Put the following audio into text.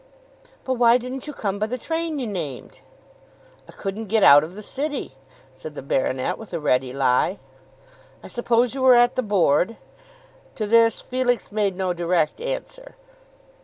"But why didn't you come by the train you named?" "I couldn't get out of the city," said the baronet with a ready lie. "I suppose you were at the Board?" To this Felix made no direct answer.